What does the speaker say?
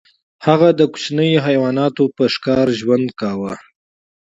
هغه د کوچنیو حیواناتو په ښکار ژوند کاوه.